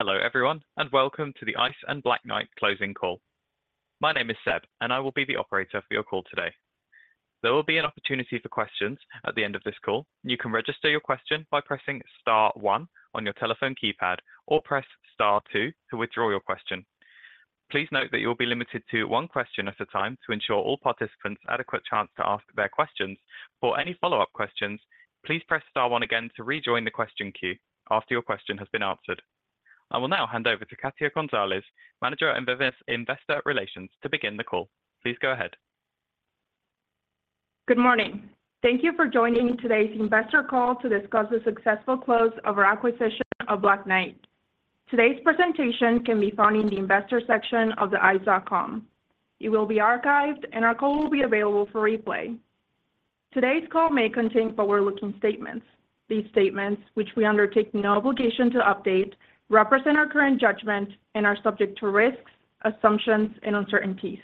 Hello, everyone, and welcome to the ICE and Black Knight closing call. My name is Seb, and I will be the operator for your call today. There will be an opportunity for questions at the end of this call. You can register your question by pressing star one on your telephone keypad, or press star two to withdraw your question. Please note that you'll be limited to one question at a time to ensure all participants adequate chance to ask their questions. For any follow-up questions, please press star one again to rejoin the question queue after your question has been answered. I will now hand over to Katia Gonzalez, Manager of Investor Relations, to begin the call. Please go ahead. Good morning. Thank you for joining today's investor call to discuss the successful close of our acquisition of Black Knight. Today's presentation can be found in the investor section of the ICE.com. It will be archived, and our call will be available for replay. Today's call may contain forward-looking statements. These statements, which we undertake no obligation to update, represent our current judgment and are subject to risks, assumptions, and uncertainties.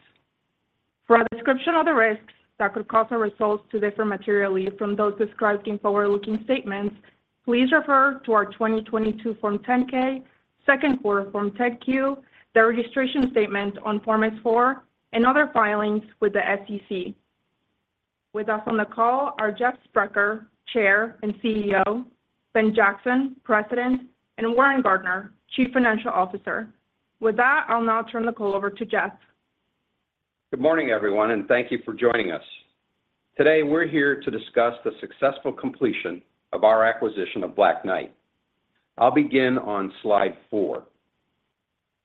For a description of the risks that could cause our results to differ materially from those described in forward-looking statements, please refer to our 2022 Form 10-K, second quarter Form 10-Q, the registration statement on Form S-4, and other filings with the SEC. With us on the call are Jeff Sprecher, Chair and CEO; Ben Jackson, President; and Warren Gardiner, Chief Financial Officer. With that, I'll now turn the call over to Jeff. Good morning, everyone, and thank you for joining us. Today, we're here to discuss the successful completion of our acquisition of Black Knight. I'll begin on slide 4.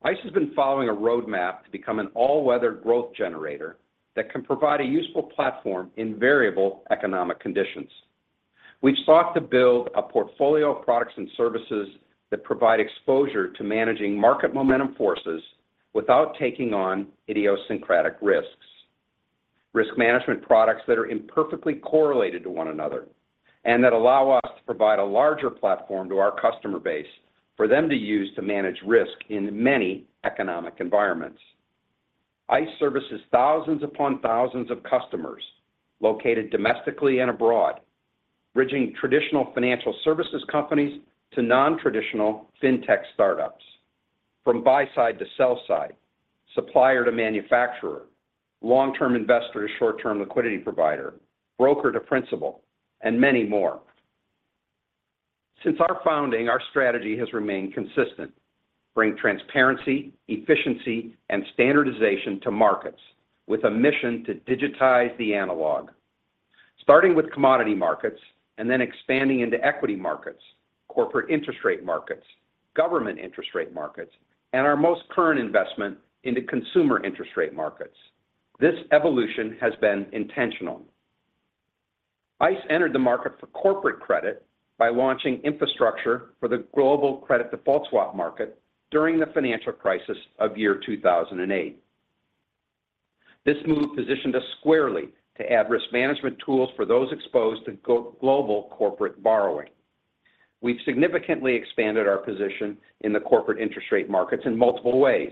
ICE has been following a roadmap to become an all-weather growth generator that can provide a useful platform in variable economic conditions. We've sought to build a portfolio of products and services that provide exposure to managing market momentum forces without taking on idiosyncratic risks. Risk management products that are imperfectly correlated to one another, and that allow us to provide a larger platform to our customer base for them to use to manage risk in many economic environments. ICE services thousands upon thousands of customers located domestically and abroad, bridging traditional financial services companies to non-traditional fintech startups, from buy side to sell side, supplier to manufacturer, long-term investor to short-term liquidity provider, broker to principal, and many more. Since our founding, our strategy has remained consistent: bring transparency, efficiency, and standardization to markets with a mission to digitize the analog. Starting with commodity markets and then expanding into equity markets, corporate interest rate markets, government interest rate markets, and our most current investment into consumer interest rate markets. This evolution has been intentional. ICE entered the market for corporate credit by launching infrastructure for the global credit default swap market during the financial crisis of 2008. This move positioned us squarely to add risk management tools for those exposed to global corporate borrowing. We've significantly expanded our position in the corporate interest rate markets in multiple ways,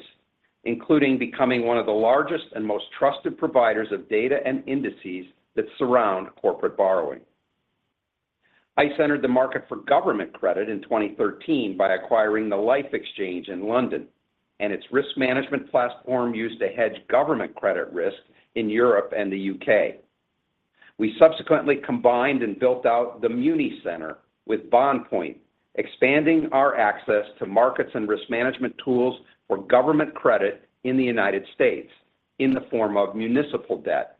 including becoming one of the largest and most trusted providers of data and indices that surround corporate borrowing. ICE entered the market for government credit in 2013 by acquiring the Liffe Exchange in London and its risk management platform used to hedge government credit risk in Europe and the U.K. We subsequently combined and built out the Muni Center with BondPoint, expanding our access to markets and risk management tools for government credit in the United States in the form of municipal debt.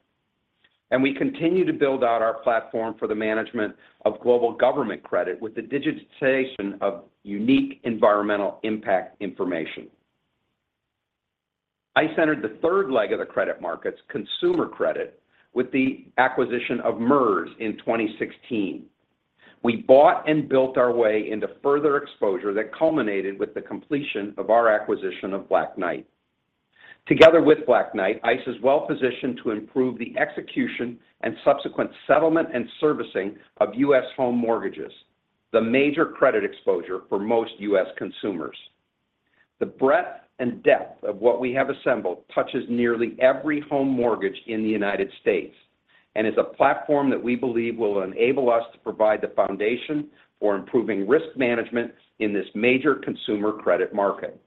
We continue to build out our platform for the management of global government credit with the digitization of unique environmental impact information. ICE entered the third leg of the credit markets, consumer credit, with the acquisition of MERS in 2016. We bought and built our way into further exposure that culminated with the completion of our acquisition of Black Knight. Together with Black Knight, ICE is well-positioned to improve the execution and subsequent settlement and servicing of U.S. home mortgages, the major credit exposure for most U.S. consumers. The breadth and depth of what we have assembled touches nearly every home mortgage in the United States, and is a platform that we believe will enable us to provide the foundation for improving risk management in this major consumer credit market.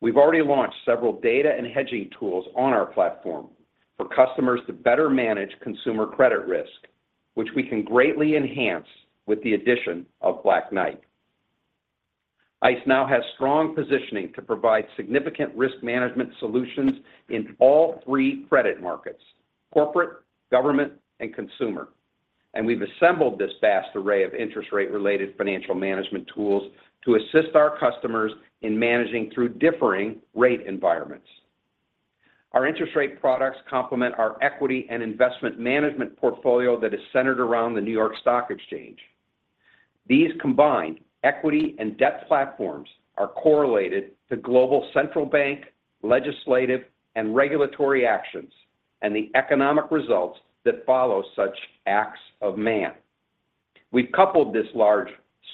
We've already launched several data and hedging tools on our platform for customers to better manage consumer credit risk, which we can greatly enhance with the addition of Black Knight. ICE now has strong positioning to provide significant risk management solutions in all three credit markets: corporate, government, and consumer. We've assembled this vast array of interest rate-related financial management tools to assist our customers in managing through differing rate environments. Our interest rate products complement our equity and investment management portfolio that is centered around the New York Stock Exchange. These combined equity and debt platforms are correlated to global central bank, legislative, and regulatory actions, and the economic results that follow such acts of man. We've coupled this large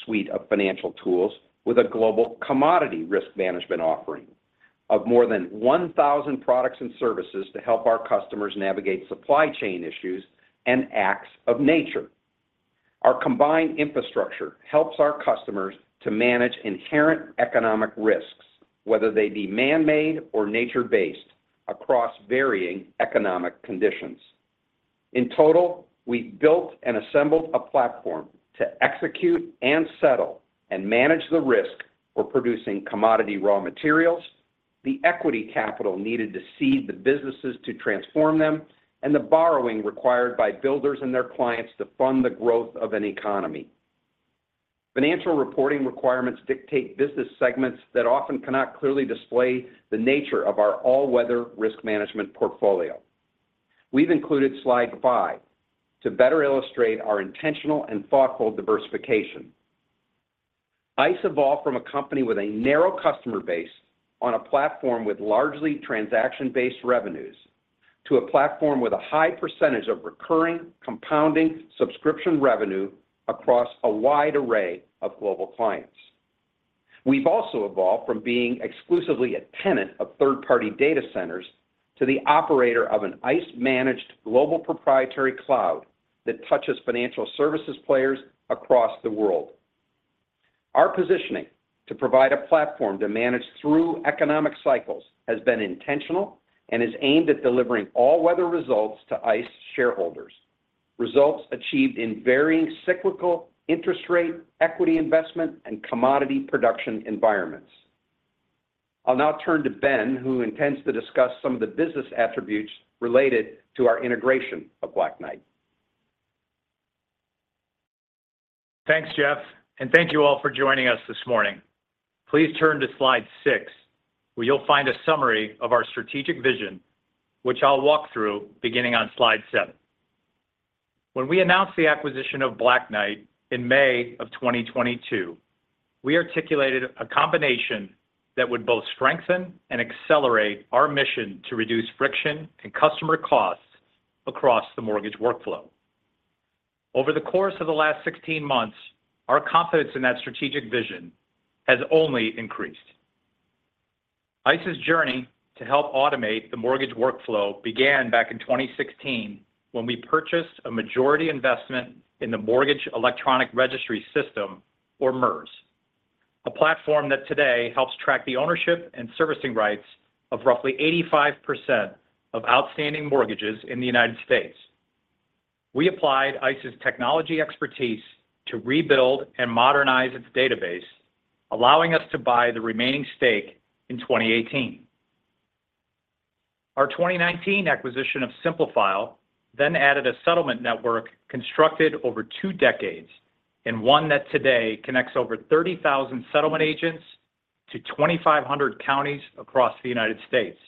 suite of financial tools with a global commodity risk management offering of more than 1,000 products and services to help our customers navigate supply chain issues and acts of nature. Our combined infrastructure helps our customers to manage inherent economic risks, whether they be man-made or nature-based, across varying economic conditions. In total, we built and assembled a platform to execute and settle and manage the risk for producing commodity raw materials, the equity capital needed to seed the businesses to transform them, and the borrowing required by builders and their clients to fund the growth of an economy. Financial reporting requirements dictate business segments that often cannot clearly display the nature of our all-weather risk management portfolio. We've included slide five to better illustrate our intentional and thoughtful diversification. ICE evolved from a company with a narrow customer base on a platform with largely transaction-based revenues, to a platform with a high percentage of recurring, compounding subscription revenue across a wide array of global clients. We've also evolved from being exclusively a tenant of third-party data centers to the operator of an ICE-managed global proprietary cloud that touches financial services players across the world. Our positioning to provide a platform to manage through economic cycles has been intentional and is aimed at delivering all-weather results to ICE shareholders. Results achieved in varying cyclical interest rate, equity investment, and commodity production environments. I'll now turn to Ben, who intends to discuss some of the business attributes related to our integration of Black Knight. Thanks, Jeff, and thank you all for joining us this morning. Please turn to slide 6, where you'll find a summary of our strategic vision, which I'll walk through beginning on slide 7. When we announced the acquisition of Black Knight in May of 2022, we articulated a combination that would both strengthen and accelerate our mission to reduce friction and customer costs across the mortgage workflow. Over the course of the last 16 months, our confidence in that strategic vision has only increased. ICE's journey to help automate the mortgage workflow began back in 2016 when we purchased a majority investment in the Mortgage Electronic Registration Systems, or MERS, a platform that today helps track the ownership and servicing rights of roughly 85% of outstanding mortgages in the United States. We applied ICE's technology expertise to rebuild and modernize its database, allowing us to buy the remaining stake in 2018. Our 2019 acquisition of SimpliFile then added a settlement network constructed over two decades and one that today connects over 30,000 settlement agents to 2,500 counties across the United States.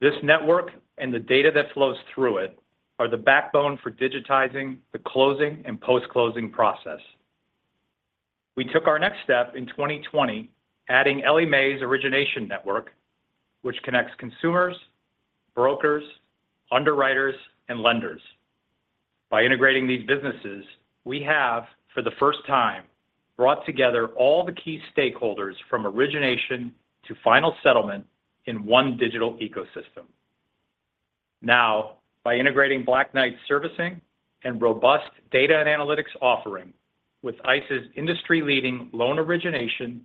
This network and the data that flows through it are the backbone for digitizing the closing and post-closing process. We took our next step in 2020, adding Ellie Mae's Origination Network, which connects consumers, brokers, underwriters, and lenders. By integrating these businesses, we have, for the first time, brought together all the key stakeholders from origination to final settlement in one digital ecosystem. Now, by integrating Black Knight servicing and robust data and analytics offering with ICE's industry-leading loan origination,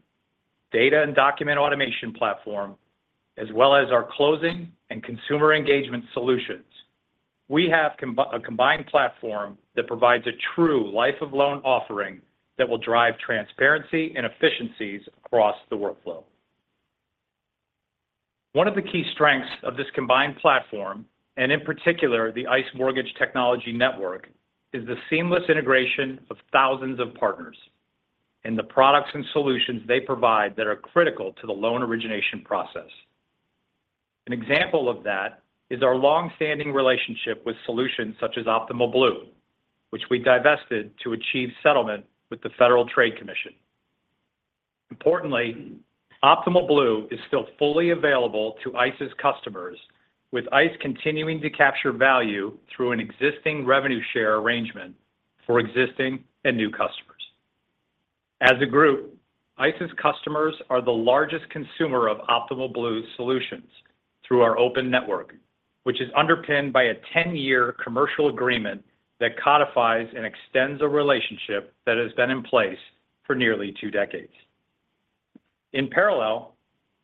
data and document automation platform, as well as our closing and consumer engagement solutions, we have a combined platform that provides a true life-of-loan offering that will drive transparency and efficiencies across the workflow. One of the key strengths of this combined platform, and in particular, the ICE Mortgage Technology Network, is the seamless integration of thousands of partners and the products and solutions they provide that are critical to the loan origination process. An example of that is our long-standing relationship with solutions such as Optimal Blue, which we divested to achieve settlement with the Federal Trade Commission. Importantly, Optimal Blue is still fully available to ICE's customers, with ICE continuing to capture value through an existing revenue share arrangement for existing and new customers. As a group, ICE's customers are the largest consumer of Optimal Blue solutions through our open network, which is underpinned by a 10-year commercial agreement that codifies and extends a relationship that has been in place for nearly 2 decades. In parallel,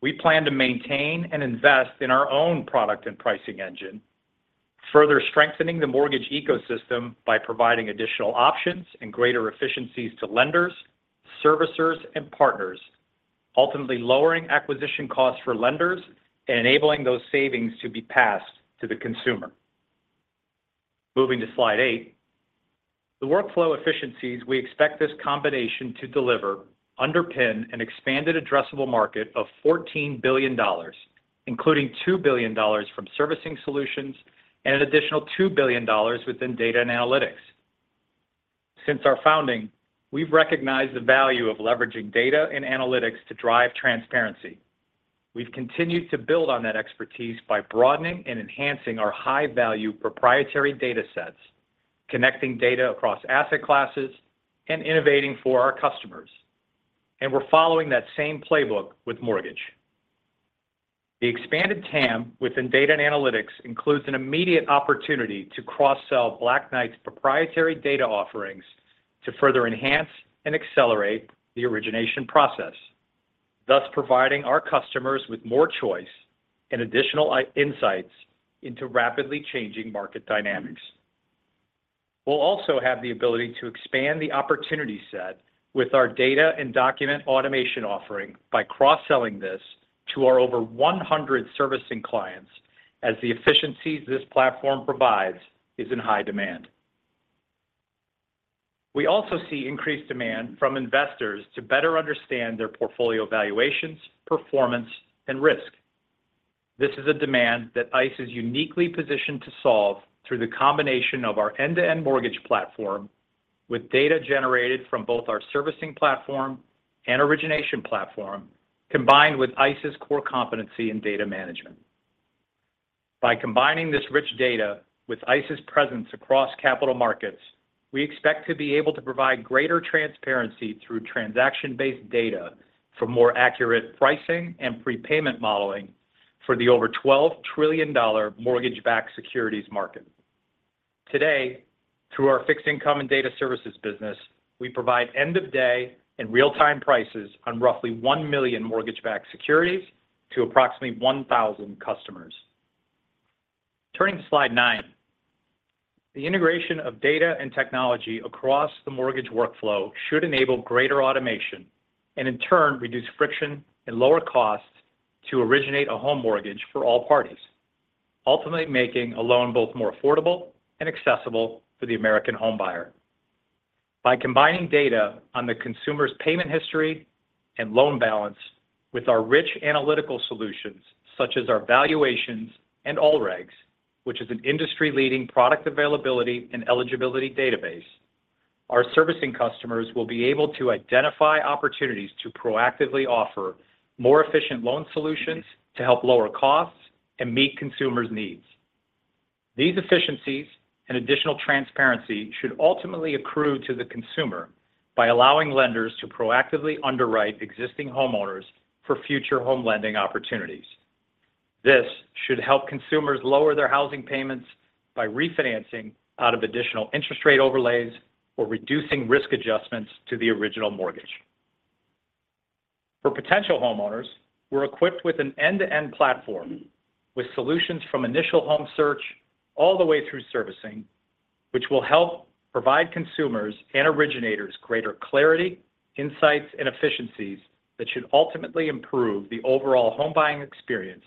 we plan to maintain and invest in our own product and pricing engine, further strengthening the mortgage ecosystem by providing additional options and greater efficiencies to lenders, servicers, and partners, ultimately lowering acquisition costs for lenders and enabling those savings to be passed to the consumer. Moving to slide 8, the workflow efficiencies we expect this combination to deliver underpin an expanded addressable market of $14 billion, including $2 billion from servicing solutions and an additional $2 billion within data and analytics. Since our founding, we've recognized the value of leveraging data and analytics to drive transparency. We've continued to build on that expertise by broadening and enhancing our high-value proprietary datasets, connecting data across asset classes, and innovating for our customers. And we're following that same playbook with mortgage. The expanded TAM within data and analytics includes an immediate opportunity to cross-sell Black Knight's proprietary data offerings to further enhance and accelerate the origination process, thus providing our customers with more choice and additional insights into rapidly changing market dynamics. We'll also have the ability to expand the opportunity set with our data and document automation offering by cross-selling this to our over 100 servicing clients, as the efficiencies this platform provides is in high demand. We also see increased demand from investors to better understand their portfolio valuations, performance, and risk. This is a demand that ICE is uniquely positioned to solve through the combination of our end-to-end mortgage platform with data generated from both our servicing platform and origination platform, combined with ICE's core competency in data management. By combining this rich data with ICE's presence across capital markets, we expect to be able to provide greater transparency through transaction-based data for more accurate pricing and prepayment modeling for the over $12 trillion mortgage-backed securities market. Today, through our fixed income and data services business, we provide end-of-day and real-time prices on roughly 1 million mortgage-backed securities to approximately 1,000 customers. Turning to slide 9. The integration of data and technology across the mortgage workflow should enable greater automation, and in turn, reduce friction and lower costs to originate a home mortgage for all parties, ultimately making a loan both more affordable and accessible for the American homebuyer. By combining data on the consumer's payment history and loan balance with our rich analytical solutions, such as our valuations and AllRegs, which is an industry-leading product availability and eligibility database, our servicing customers will be able to identify opportunities to proactively offer more efficient loan solutions to help lower costs and meet consumers' needs. These efficiencies and additional transparency should ultimately accrue to the consumer by allowing lenders to proactively underwrite existing homeowners for future home lending opportunities. This should help consumers lower their housing payments by refinancing out of additional interest rate overlays or reducing risk adjustments to the original mortgage. For potential homeowners, we're equipped with an end-to-end platform with solutions from initial home search all the way through servicing, which will help provide consumers and originators greater clarity, insights, and efficiencies that should ultimately improve the overall home buying experience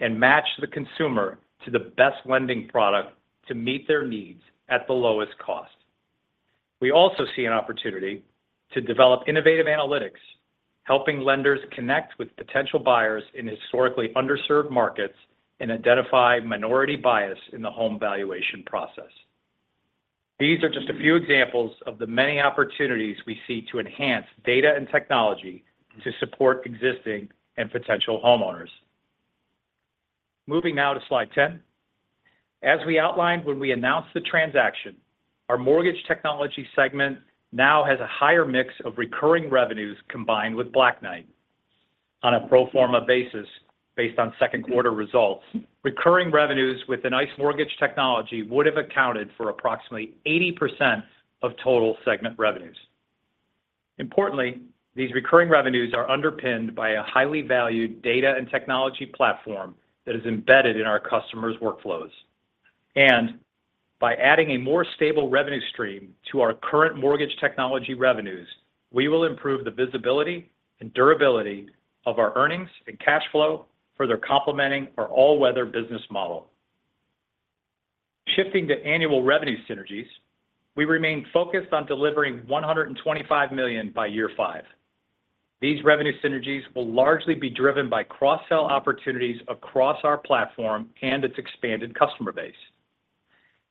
and match the consumer to the best lending product to meet their needs at the lowest cost. We also see an opportunity to develop innovative analytics, helping lenders connect with potential buyers in historically underserved markets and identify minority bias in the home valuation process. These are just a few examples of the many opportunities we see to enhance data and technology to support existing and potential homeowners. Moving now to slide 10. As we outlined when we announced the transaction, our mortgage technology segment now has a higher mix of recurring revenues combined with Black Knight. On a pro forma basis, based on second quarter results, recurring revenues within ICE Mortgage Technology would have accounted for approximately 80% of total segment revenues. Importantly, these recurring revenues are underpinned by a highly valued data and technology platform that is embedded in our customers' workflows. By adding a more stable revenue stream to our current mortgage technology revenues, we will improve the visibility and durability of our earnings and cash flow, further complementing our all-weather business model. Shifting to annual revenue synergies, we remain focused on delivering $125 million by year five. These revenue synergies will largely be driven by cross-sell opportunities across our platform and its expanded customer base.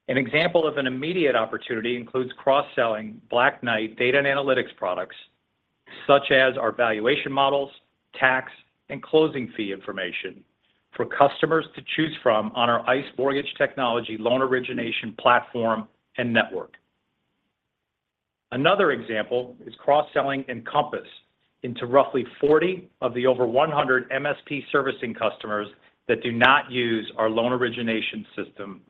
An example of an immediate opportunity includes cross-selling Black Knight data and analytics products, such as our valuation models, tax, and closing fee information, for customers to choose from on our ICE Mortgage Technology loan origination platform and network. Another example is cross-selling Encompass into roughly 40 of the over 100 MSP servicing customers that do not use our loan origination system.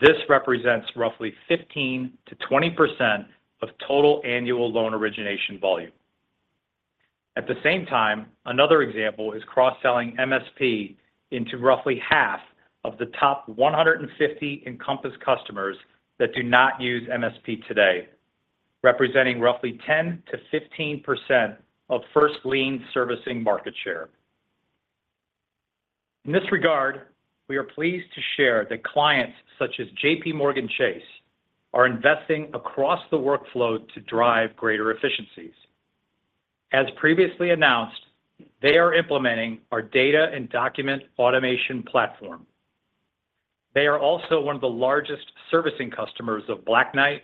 This represents roughly 15%-20% of total annual loan origination volume. At the same time, another example is cross-selling MSP into roughly half of the top 150 Encompass customers that do not use MSP today, representing roughly 10%-15% of first lien servicing market share. In this regard, we are pleased to share that clients such as JPMorgan Chase are investing across the workflow to drive greater efficiencies. As previously announced, they are implementing our data and document automation platform. They are also one of the largest servicing customers of Black Knight,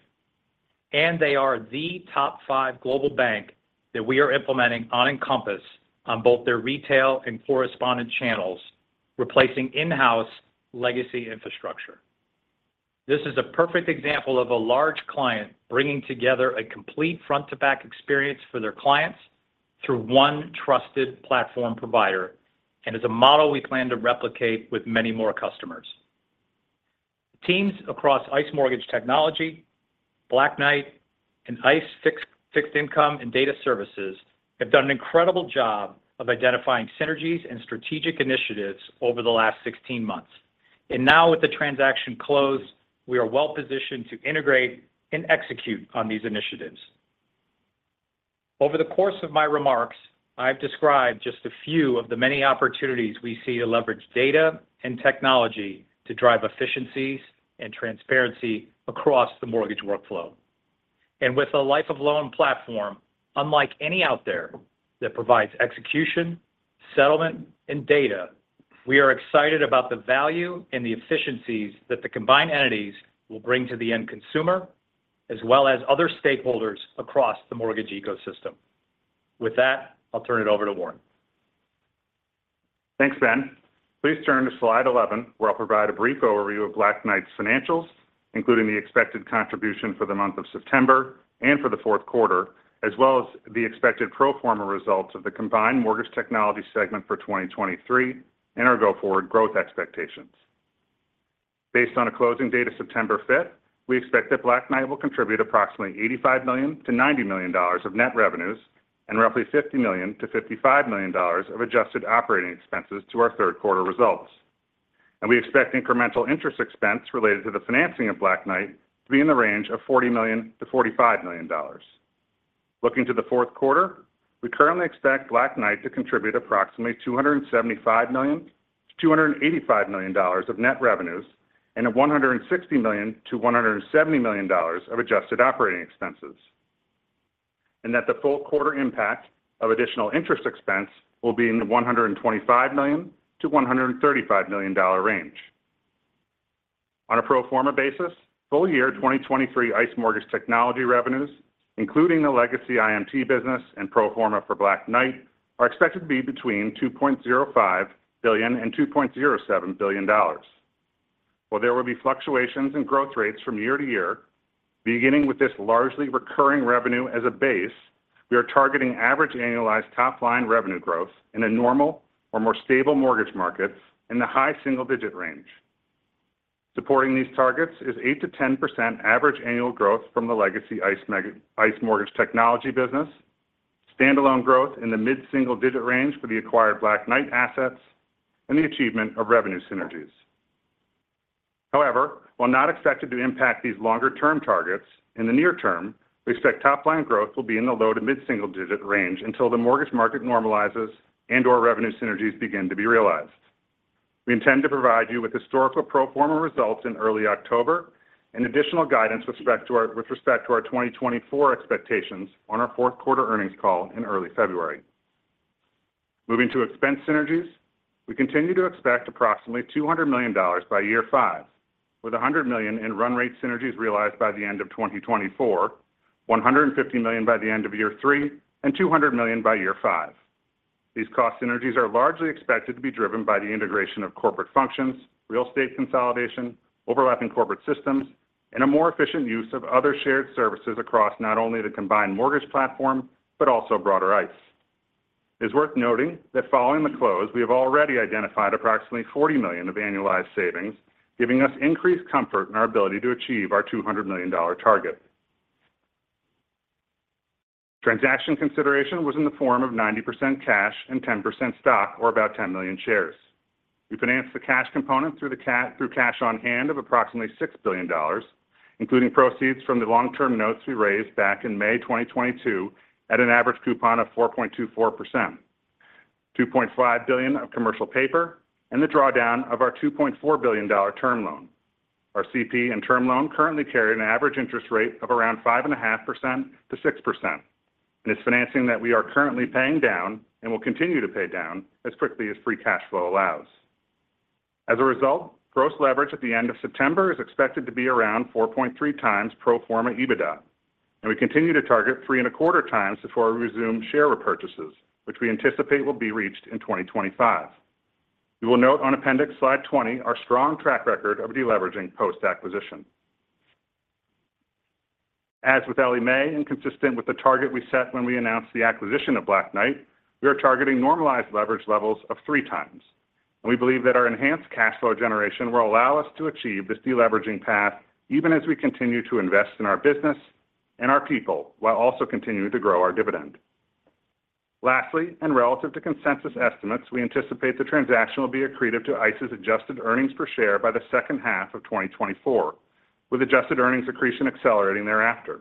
and they are the top five global bank that we are implementing on Encompass on both their retail and correspondent channels, replacing in-house legacy infrastructure. This is a perfect example of a large client bringing together a complete front-to-back experience for their clients through one trusted platform provider, and is a model we plan to replicate with many more customers. Teams across ICE Mortgage Technology, Black Knight, and ICE Fixed Income and Data Services have done an incredible job of identifying synergies and strategic initiatives over the last 16 months. And now, with the transaction closed, we are well-positioned to integrate and execute on these initiatives. Over the course of my remarks, I've described just a few of the many opportunities we see to leverage data and technology to drive efficiencies and transparency across the mortgage workflow. With a life of loan platform, unlike any out there, that provides execution, settlement, and data, we are excited about the value and the efficiencies that the combined entities will bring to the end consumer, as well as other stakeholders across the mortgage ecosystem. With that, I'll turn it over to Warren. Thanks, Ben. Please turn to slide 11, where I'll provide a brief overview of Black Knight's financials, including the expected contribution for the month of September and for the fourth quarter, as well as the expected pro forma results of the combined mortgage technology segment for 2023 and our go-forward growth expectations. Based on a closing date of September 5, we expect that Black Knight will contribute approximately $85 million-$90 million of net revenues and roughly $50 million-$55 million of adjusted operating expenses to our Q3 results. We expect incremental interest expense related to the financing of Black Knight to be in the range of $40 million-$45 million. Looking to the fourth quarter, we currently expect Black Knight to contribute approximately $275 million-$285 million of net revenues and $160 million-$170 million of adjusted operating expenses, and that the full quarter impact of additional interest expense will be in the $125 million-$135 million dollar range. On a pro forma basis, full year 2023 ICE Mortgage Technology revenues, including the legacy IMT business and pro forma for Black Knight, are expected to be between $2.05 billion and $2.07 billion. While there will be fluctuations in growth rates from year to year, beginning with this largely recurring revenue as a base, we are targeting average annualized top-line revenue growth in a normal or more stable mortgage markets in the high single-digit range. Supporting these targets is 8%-10% average annual growth from the legacy ICE Mortgage Technology business, standalone growth in the mid-single digit range for the acquired Black Knight assets, and the achievement of revenue synergies. However, while not expected to impact these longer-term targets, in the near term, we expect top-line growth will be in the low to mid-single digit range until the mortgage market normalizes and/or revenue synergies begin to be realized. We intend to provide you with historical pro forma results in early October and additional guidance with respect to our 2024 expectations on our fourth quarter earnings call in early February. Moving to expense synergies, we continue to expect approximately $200 million by year five, with $100 million in run rate synergies realized by the end of 2024, $150 million by the end of year three, and $200 million by year five. These cost synergies are largely expected to be driven by the integration of corporate functions, real estate consolidation, overlapping corporate systems, and a more efficient use of other shared services across not only the combined mortgage platform, but also broader ICE. It's worth noting that following the close, we have already identified approximately $40 million of annualized savings, giving us increased comfort in our ability to achieve our $200 million target. Transaction consideration was in the form of 90% cash and 10% stock, or about 10 million shares. We financed the cash component through cash on hand of approximately $6 billion, including proceeds from the long-term notes we raised back in May 2022, at an average coupon of 4.24%, $2.5 billion of commercial paper, and the drawdown of our $2.4 billion term loan. Our CP and term loan currently carry an average interest rate of around 5.5%-6%, and it's financing that we are currently paying down and will continue to pay down as quickly as free cash flow allows. As a result, gross leverage at the end of September is expected to be around 4.3x pro forma EBITDA, and we continue to target 3.25x before we resume share repurchases, which we anticipate will be reached in 2025. You will note on appendix slide 20, our strong track record of deleveraging post-acquisition. As with Ellie Mae, and consistent with the target we set when we announced the acquisition of Black Knight, we are targeting normalized leverage levels of 3x, and we believe that our enhanced cash flow generation will allow us to achieve this deleveraging path even as we continue to invest in our business and our people, while also continuing to grow our dividend. Lastly, and relative to consensus estimates, we anticipate the transaction will be accretive to ICE's adjusted earnings per share by the second half of 2024, with adjusted earnings accretion accelerating thereafter.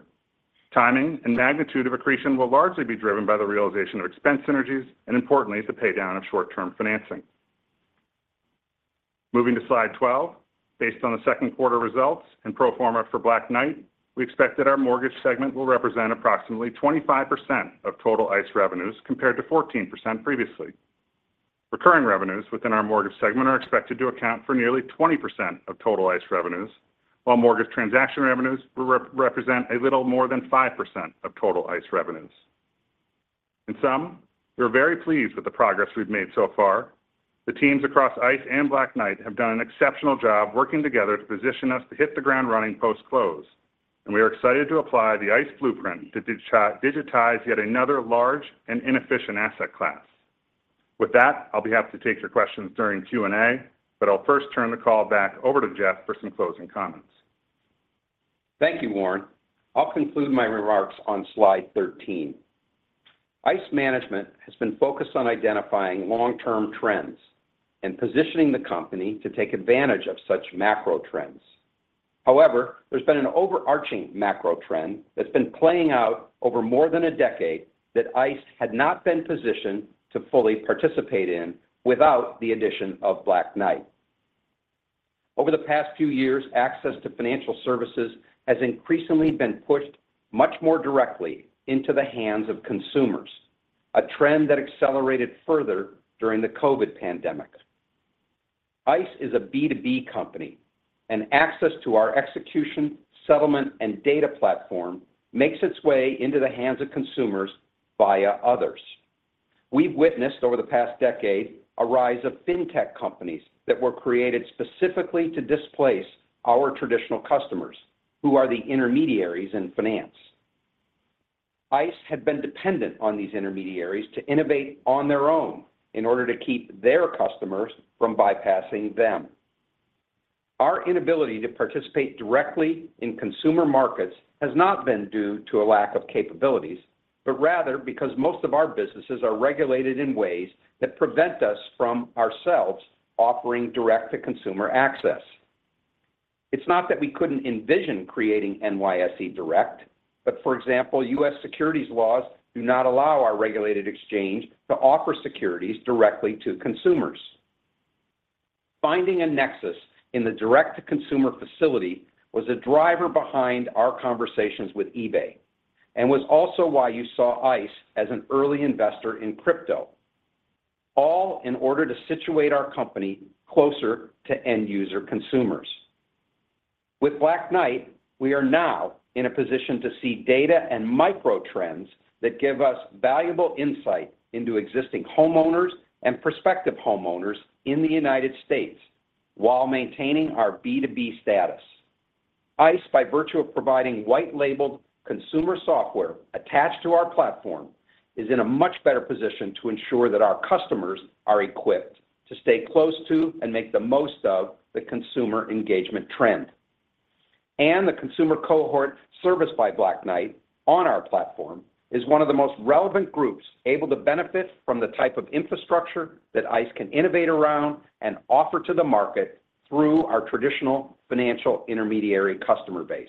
Timing and magnitude of accretion will largely be driven by the realization of expense synergies, and importantly, the paydown of short-term financing. Moving to slide 12. Based on the second quarter results and pro forma for Black Knight, we expect that our mortgage segment will represent approximately 25% of total ICE revenues, compared to 14% previously. Recurring revenues within our mortgage segment are expected to account for nearly 20% of total ICE revenues, while mortgage transaction revenues will represent a little more than 5% of total ICE revenues. And, we're very pleased with the progress we've made so far. The teams across ICE and Black Knight have done an exceptional job working together to position us to hit the ground running post-close, and we are excited to apply the ICE blueprint to digitize yet another large and inefficient asset class. With that, I'll be happy to take your questions during Q&A, but I'll first turn the call back over to Jeff for some closing comments. Thank you, Warren. I'll conclude my remarks on slide 13. ICE management has been focused on identifying long-term trends and positioning the company to take advantage of such macro trends. However, there's been an overarching macro trend that's been playing out over more than a decade that ICE had not been positioned to fully participate in without the addition of Black Knight. Over the past few years, access to financial services has increasingly been pushed much more directly into the hands of consumers, a trend that accelerated further during the COVID pandemic. ICE is a B2B company, and access to our execution, settlement, and data platform makes its way into the hands of consumers via others. We've witnessed, over the past decade, a rise of fintech companies that were created specifically to displace our traditional customers, who are the intermediaries in finance. ICE had been dependent on these intermediaries to innovate on their own in order to keep their customers from bypassing them. Our inability to participate directly in consumer markets has not been due to a lack of capabilities, but rather because most of our businesses are regulated in ways that prevent us from ourselves offering direct-to-consumer access. It's not that we couldn't envision creating NYSE Direct, but for example, U.S. securities laws do not allow our regulated exchange to offer securities directly to consumers. Finding a nexus in the direct-to-consumer facility was a driver behind our conversations with eBay, and was also why you saw ICE as an early investor in crypto, all in order to situate our company closer to end-user consumers. With Black Knight, we are now in a position to see data and micro trends that give us valuable insight into existing homeowners and prospective homeowners in the United States while maintaining our B2B status. ICE, by virtue of providing white-labeled consumer software attached to our platform, is in a much better position to ensure that our customers are equipped to stay close to and make the most of the consumer engagement trend. The consumer cohort serviced by Black Knight on our platform is one of the most relevant groups able to benefit from the type of infrastructure that ICE can innovate around and offer to the market through our traditional financial intermediary customer base.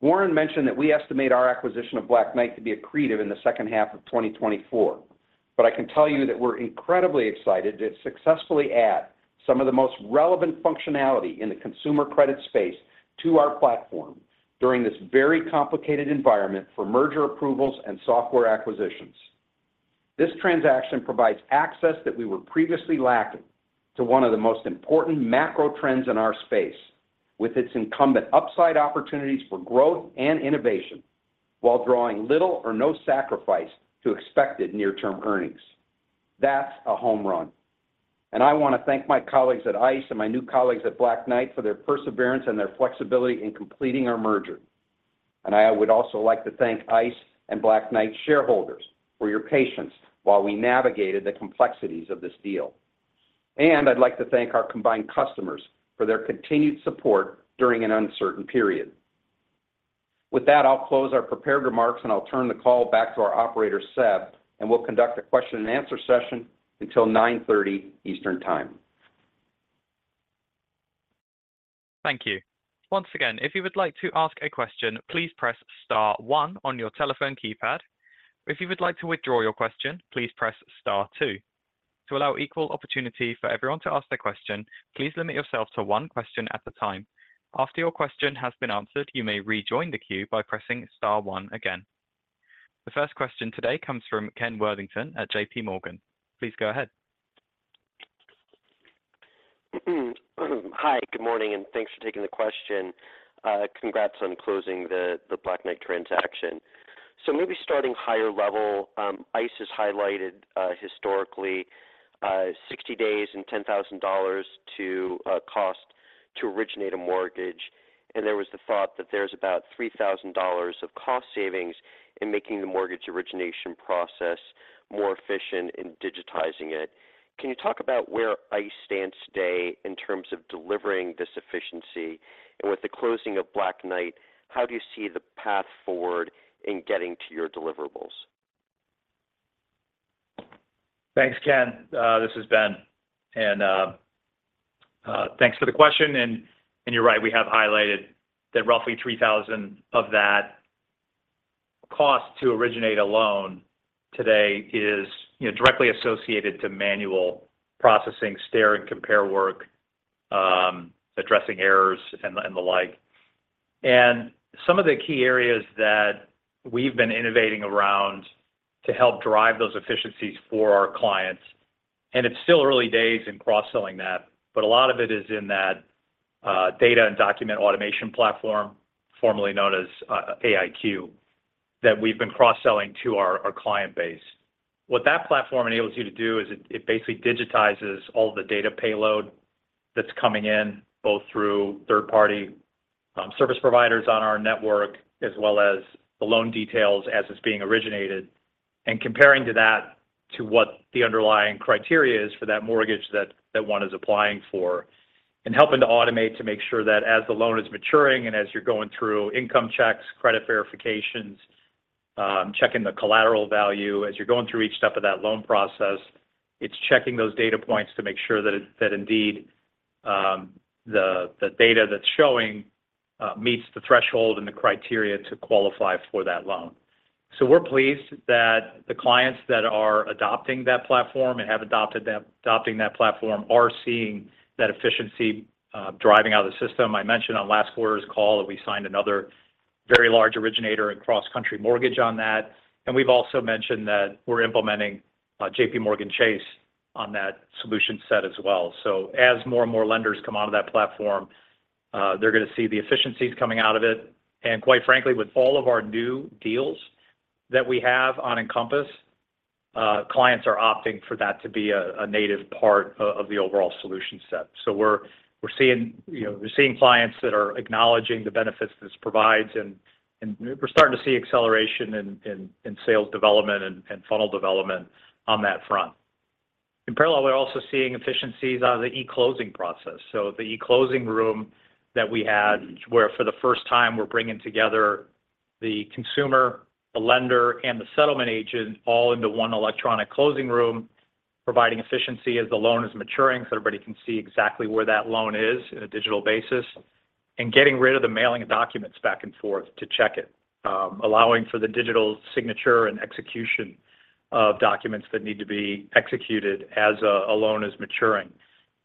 Warren mentioned that we estimate our acquisition of Black Knight to be accretive in the second half of 2024, but I can tell you that we're incredibly excited to successfully add some of the most relevant functionality in the consumer credit space to our platform during this very complicated environment for merger approvals and software acquisitions. This transaction provides access that we were previously lacking to one of the most important macro trends in our space, with its incumbent upside opportunities for growth and innovation, while drawing little or no sacrifice to expected near-term earnings. That's a home run, and I want to thank my colleagues at ICE and my new colleagues at Black Knight for their perseverance and their flexibility in completing our merger. I would also like to thank ICE and Black Knight shareholders for your patience while we navigated the complexities of this deal. I'd like to thank our combined customers for their continued support during an uncertain period. With that, I'll close our prepared remarks, and I'll turn the call back to our operator, Seb, and we'll conduct a question and answer session until 9:30 Eastern Time. Thank you. Once again, if you would like to ask a question, please press star one on your telephone keypad. If you would like to withdraw your question, please press star two. To allow equal opportunity for everyone to ask their question, please limit yourself to one question at a time. After your question has been answered, you may rejoin the queue by pressing star one again. The first question today comes from Ken Worthington at J.P. Morgan. Please go ahead. Hi, good morning, and thanks for taking the question. Congrats on closing the Black Knight transaction. So maybe starting higher level, ICE has highlighted historically 60 days and $10,000 to cost to originate a mortgage, and there was the thought that there's about $3,000 of cost savings in making the mortgage origination process more efficient in digitizing it. Can you talk about where ICE stands today in terms of delivering this efficiency? And with the closing of Black Knight, how do you see the path forward in getting to your deliverables? Thanks, Ken. This is Ben, and thanks for the question. And you're right, we have highlighted that roughly $3,000 of that cost to originate a loan today is, you know, directly associated to manual processing, stare and compare work, addressing errors and the like. And some of the key areas that we've been innovating around to help drive those efficiencies for our clients. And it's still early days in cross-selling that, but a lot of it is in that, data and document automation platform, formerly known as, AIQ, that we've been cross-selling to our, our client base. What that platform enables you to do is it, it basically digitizes all the data payload that's coming in, both through third-party, service providers on our network, as well as the loan details as it's being originated, and comparing to that to what the underlying criteria is for that mortgage that, that one is applying for. Helping to automate to make sure that as the loan is maturing and as you're going through income checks, credit verifications, checking the collateral value, as you're going through each step of that loan process, it's checking those data points to make sure that indeed the data that's showing meets the threshold and the criteria to qualify for that loan. So we're pleased that the clients that are adopting that platform and have adopted them- adopting that platform, are seeing that efficiency driving out of the system. I mentioned on last quarter's call that we signed another very large originator in CrossCountry Mortgage on that. And we've also mentioned that we're implementing JPMorgan Chase on that solution set as well. So as more and more lenders come out of that platform, they're gonna see the efficiencies coming out of it. Quite frankly, with all of our new deals that we have on Encompass, clients are opting for that to be a native part of the overall solution set. So we're seeing, you know, we're seeing clients that are acknowledging the benefits this provides, and we're starting to see acceleration in sales development and funnel development on that front. In parallel, we're also seeing efficiencies out of the e-closing process. So the e-closing room that we had, where for the first time, we're bringing together the consumer, the lender, and the settlement agent all into one electronic closing room, providing efficiency as the loan is maturing, so everybody can see exactly where that loan is in a digital basis, and getting rid of the mailing of documents back and forth to check it. Allowing for the digital signature and execution of documents that need to be executed as a loan is maturing.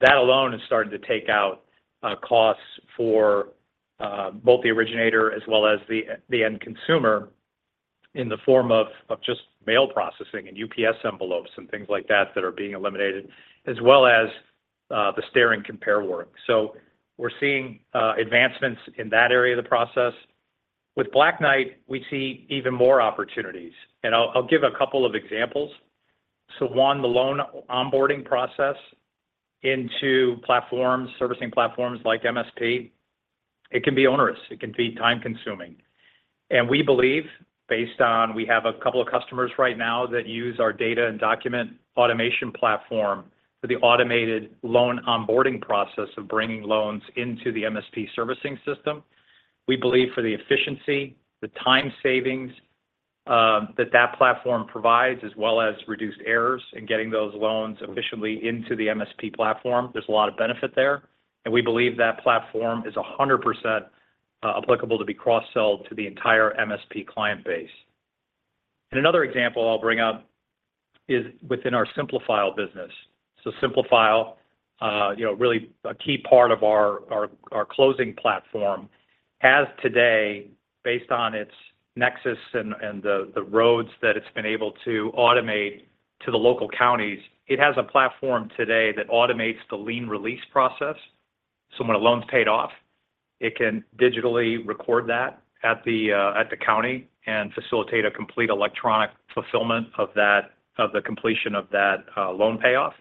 That alone has started to take out costs for both the originator as well as the end consumer in the form of just mail processing and UPS envelopes and things like that that are being eliminated, as well as the stare and compare work. So we're seeing advancements in that area of the process. With Black Knight, we see even more opportunities, and I'll give a couple of examples. So one, the loan onboarding process into platforms, servicing platforms like MSP, it can be onerous, it can be time-consuming. We believe, based on, we have a couple of customers right now that use our data and document automation platform for the automated loan onboarding process of bringing loans into the MSP servicing system. We believe for the efficiency, the time savings, that that platform provides, as well as reduced errors in getting those loans efficiently into the MSP platform, there's a lot of benefit there. We believe that platform is 100% applicable to be cross-sold to the entire MSP client base. Another example I'll bring up is within our SimpliFile business. So SimpliFile, you know, really a key part of our closing platform, has today, based on its nexus and the roads that it's been able to automate to the local counties, it has a platform today that automates the lien release process. So when a loan's paid off, it can digitally record that at the county, and facilitate a complete electronic fulfillment of that, of the completion of that, loan payoff.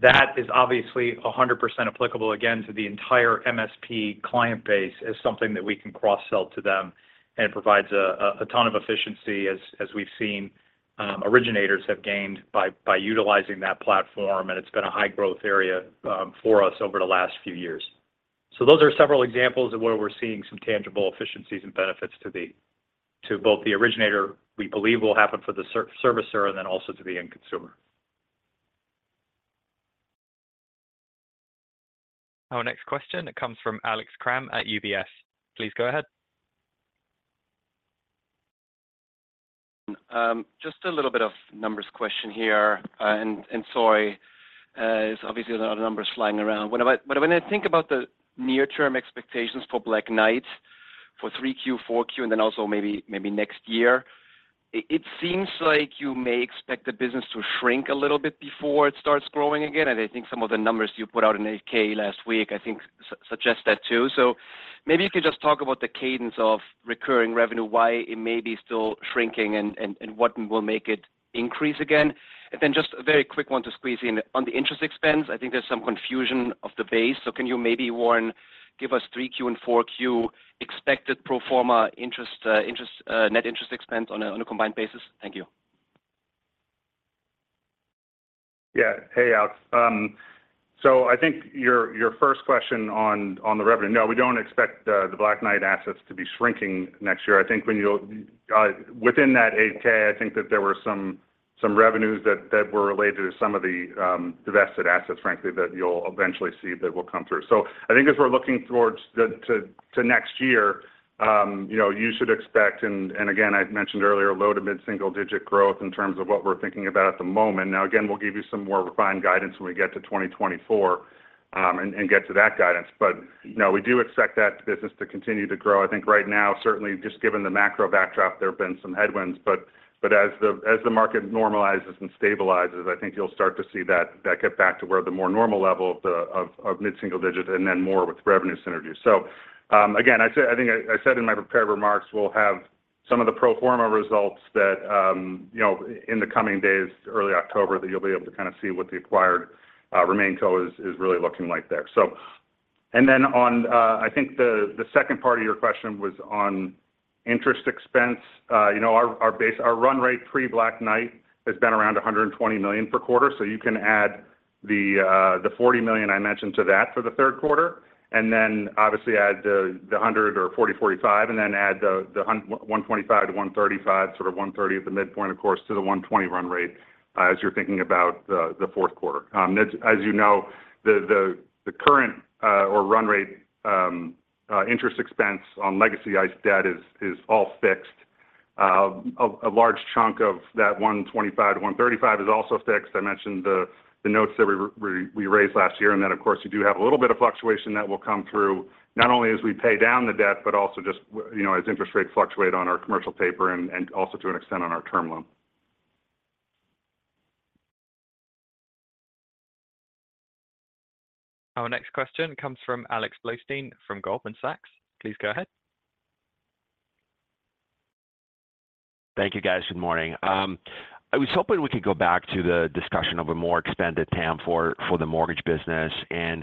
That is obviously 100% applicable, again, to the entire MSP client base as something that we can cross-sell to them, and provides a ton of efficiency as we've seen originators have gained by utilizing that platform, and it's been a high-growth area for us over the last few years. So those are several examples of where we're seeing some tangible efficiencies and benefits to both the originator, we believe will happen for the servicer, and then also to the end consumer. Our next question comes from Alex Kram at UBS. Please go ahead. Just a little bit of numbers question here. And sorry, there's obviously a lot of numbers flying around. When I think about the near-term expectations for Black Knight for 3Q, 4Q, and then also maybe next year, it seems like you may expect the business to shrink a little bit before it starts growing again. And I think some of the numbers you put out in 8-K last week, I think, suggest that too. So maybe you could just talk about the cadence of recurring revenue, why it may be still shrinking, and what will make it increase again? And then just a very quick one to squeeze in. On the interest expense, I think there's some confusion of the base. Can you maybe, Warren, give us 3Q and 4Q expected pro forma interest, interest, net interest expense on a combined basis? Thank you. Yeah. Hey, Alex. So I think your, your first question on, on the revenue, no, we don't expect the, the Black Knight assets to be shrinking next year. I think when you, within that 8-K, I think that there were some, some revenues that, that were related to some of the, divested assets, frankly, that you'll eventually see that will come through. So I think as we're looking towards the, to, to next year, you know, you should expect, and, and again, I've mentioned earlier, low to mid-single digit growth in terms of what we're thinking about at the moment. Now, again, we'll give you some more refined guidance when we get to 2024, and, and get to that guidance. But no, we do expect that business to continue to grow. I think right now, certainly, just given the macro backdrop, there have been some headwinds, but as the market normalizes and stabilizes, I think you'll start to see that get back to where the more normal level of the mid-single digit and then more with revenue synergies. So again, I think I said in my prepared remarks, we'll have some of the pro forma results that, you know, in the coming days, early October, that you'll be able to kind of see what the acquired RemainCo is really looking like there. So and then on, I think the second part of your question was on interest expense. You know, our base run rate pre-Black Knight has been around $120 million per quarter. You can add the $40 million I mentioned to that for the Q3, and then obviously add the 140, 145, and then add the 125-135, sort of 130 at the midpoint, of course, to the 120 run rate, as you're thinking about the fourth quarter. As you know, the current or run rate interest expense on legacy ICE debt is all fixed. A large chunk of that 125-135 is also fixed. I mentioned the notes that we raised last year, and then, of course, you do have a little bit of fluctuation that will come through, not only as we pay down the debt, but also just, you know, as interest rates fluctuate on our commercial paper and also to an extent, on our term loan. Our next question comes from Alex Blostein, from Goldman Sachs. Please go ahead. Thank you, guys. Good morning. I was hoping we could go back to the discussion of a more extended TAM for the mortgage business. And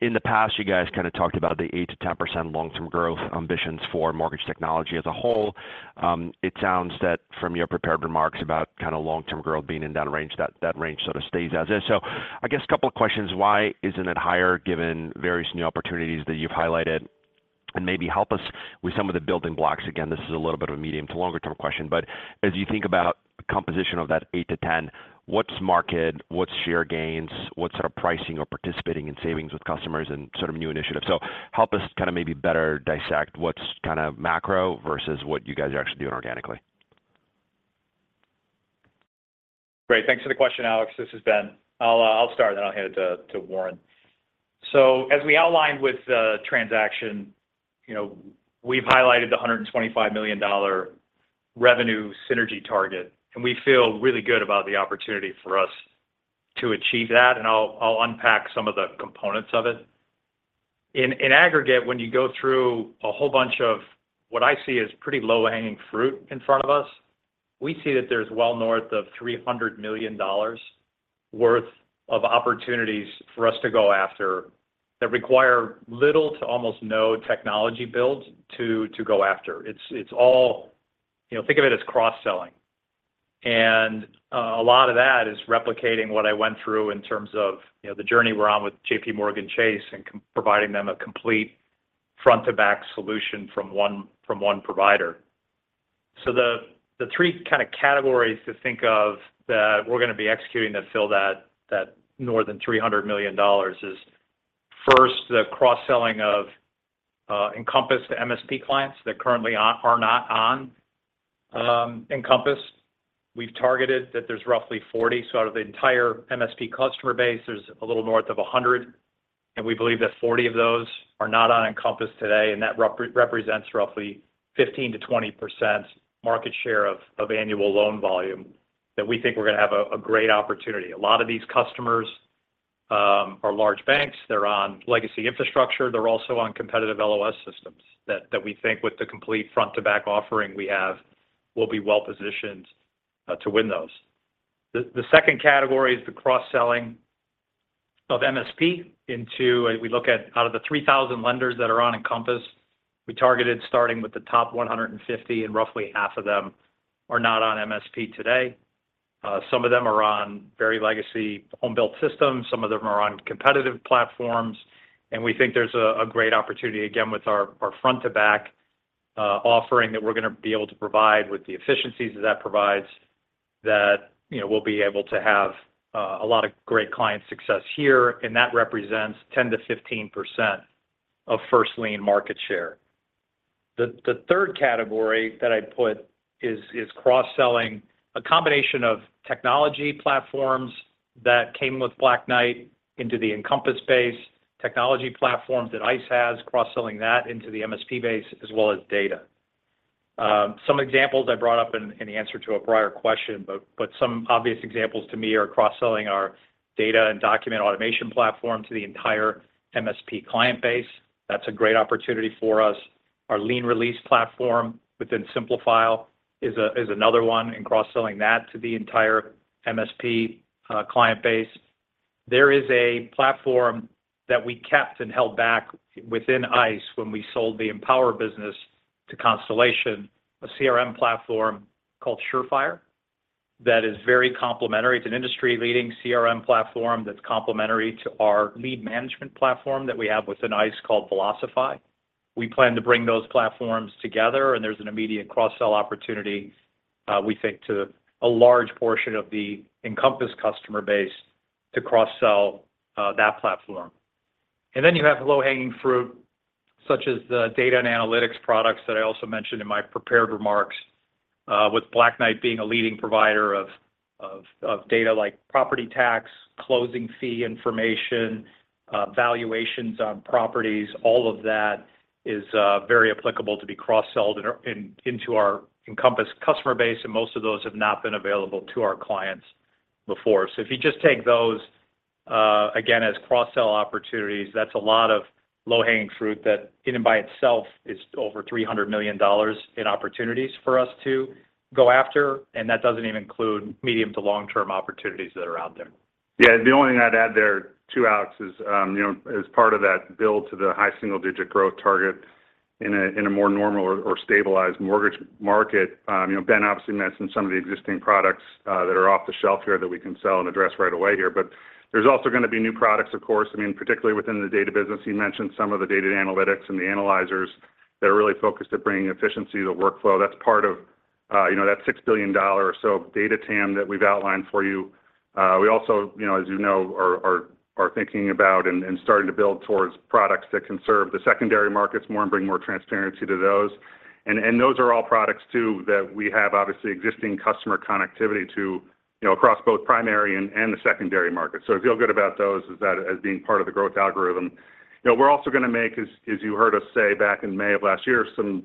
in the past, you guys kind of talked about the 8%-10% long-term growth ambitions for mortgage technology as a whole. It sounds that from your prepared remarks about kind of long-term growth being in that range, that range sort of stays as is. So I guess a couple of questions. Why isn't it higher, given various new opportunities that you've highlighted? And maybe help us with some of the building blocks. Again, this is a little bit of a medium- to longer-term question, but as you think about composition of that 8-10, what's market, what's share gains, what sort of pricing or participating in savings with customers and sort of new initiatives? Help us kind of maybe better dissect what's kind of macro versus what you guys are actually doing organically. Great. Thanks for the question, Alex. This is Ben. I'll, I'll start, then I'll hand it to Warren. So as we outlined with the transaction, you know, we've highlighted the $125 million revenue synergy target, and we feel really good about the opportunity for us to achieve that, and I'll, I'll unpack some of the components of it. In aggregate, when you go through a whole bunch of what I see as pretty low-hanging fruit in front of us, we see that there's well north of $300 million worth of opportunities for us to go after that require little to almost no technology build to go after. It's all. You know, think of it as cross-selling. And a lot of that is replicating what I went through in terms of, you know, the journey we're on with JPMorgan Chase and providing them a complete front-to-back solution from one provider. So the three kind of categories to think of that we're going to be executing to fill that more than $300 million is, first, the cross-selling of Encompass to MSP clients that currently are not on Encompass. We've targeted that there's roughly 40. So out of the entire MSP customer base, there's a little north of 100, and we believe that 40 of those are not on Encompass today, and that represents roughly 15%-20% market share of annual loan volume that we think we're going to have a great opportunity. A lot of these customers are large banks. They're on legacy infrastructure. They're also on competitive LOS systems that we think with the complete front-to-back offering we have, will be well-positioned to win those. The second category is the cross-selling of MSP into. We look at, out of the 3,000 lenders that are on Encompass, we targeted starting with the top 150, and roughly half of them are not on MSP today. Some of them are on very legacy home-built systems, some of them are on competitive platforms, and we think there's a great opportunity, again, with our front-to-back offering, that we're going to be able to provide with the efficiencies that provides, you know, we'll be able to have a lot of great client success here, and that represents 10%-15% of first lien market share. The third category that I'd put is cross-selling a combination of technology platforms that came with Black Knight into the Encompass base, technology platforms that ICE has, cross-selling that into the MSP base, as well as data. Some examples I brought up in the answer to a prior question, but some obvious examples to me are cross-selling our data and document automation platform to the entire MSP client base. That's a great opportunity for us. Our lien release platform within SimpliFile is another one in cross-selling that to the entire MSP client base. There is a platform that we kept and held back within ICE when we sold the Empower business to Constellation, a CRM platform called Surefire. That is very complementary. It's an industry-leading CRM platform that's complementary to our lead management platform that we have within ICE called Velocify. We plan to bring those platforms together, and there's an immediate cross-sell opportunity, we think, to a large portion of the Encompass customer base to cross-sell that platform. And then you have the low-hanging fruit, such as the data and analytics products that I also mentioned in my prepared remarks with Black Knight being a leading provider of data like property tax, closing fee information, valuations on properties. All of that is very applicable to be cross-sold into our Encompass customer base, and most of those have not been available to our clients before. So if you just take those. Again, as cross-sell opportunities, that's a lot of low-hanging fruit that in and by itself is over $300 million in opportunities for us to go after, and that doesn't even include medium to long-term opportunities that are out there. Yeah, the only thing I'd add there to Alex is, you know, as part of that build to the high single digit growth target in a more normal or stabilized mortgage market. You know, Ben obviously mentioned some of the existing products that are off the shelf here that we can sell and address right away here. But there's also going to be new products, of course, I mean, particularly within the data business. You mentioned some of the data analytics and the analyzers that are really focused at bringing efficiency to the workflow. That's part of, you know, that $6 billion or so data TAM that we've outlined for you. We also, you know, as you know, are thinking about and starting to build towards products that can serve the secondary markets more and bring more transparency to those. And those are all products too that we have obviously existing customer connectivity to, you know, across both primary and the secondary market. So I feel good about those as being part of the growth algorithm. You know, we're also going to make, as you heard us say back in May of last year, some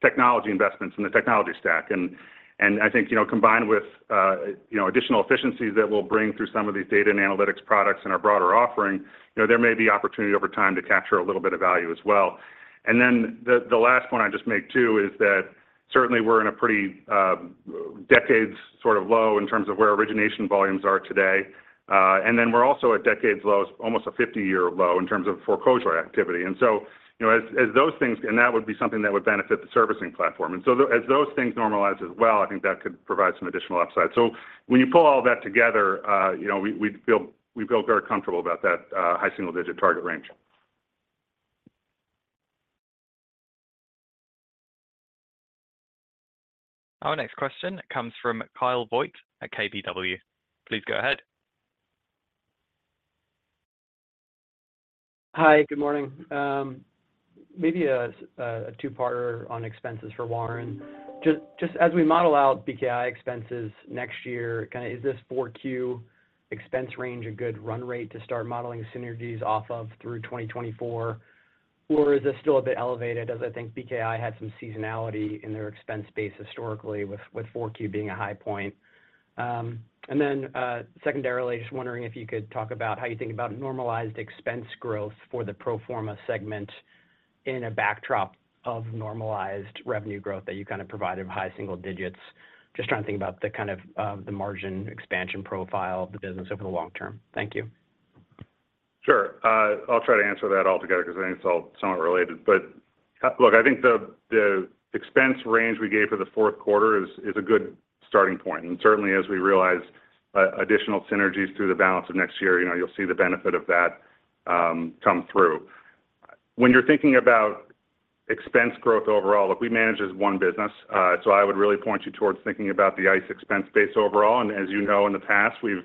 technology investments in the technology stack. And I think, you know, combined with you know, additional efficiencies that we'll bring through some of these data and analytics products and our broader offering, you know, there may be opportunity over time to capture a little bit of value as well. And then the last point I'd just make, too, is that certainly we're in a pretty decades sort of low in terms of where origination volumes are today. And then we're also at decades low, almost a 50-year low, in terms of foreclosure activity. And so, you know, as those things, and that would be something that would benefit the servicing platform. And so as those things normalize as well, I think that could provide some additional upside. So when you pull all that together, you know, we feel very comfortable about that high single-digit target range. Our next question comes from Kyle Voigt at KBW. Please go ahead. Hi, good morning. Maybe a two-parter on expenses for Warren. Just as we model out BKI expenses next year, kind of is this Q4 expense range a good run rate to start modeling synergies off of through 2024? Or is this still a bit elevated, as I think BKI had some seasonality in their expense base historically, with Q4 being a high point. And then, secondarily, just wondering if you could talk about how you think about normalized expense growth for the pro forma segment in a backdrop of normalized revenue growth that you kind of provided of high single digits. Just trying to think about the kind of, the margin expansion profile of the business over the long term. Thank you. Sure. I'll try to answer that all together because I think it's all somewhat related. But, look, I think the expense range we gave for the fourth quarter is a good starting point. And certainly as we realize additional synergies through the balance of next year, you know, you'll see the benefit of that come through. When you're thinking about expense growth overall, look, we manage as one business, so I would really point you towards thinking about the ICE expense base overall. And as you know, in the past, we've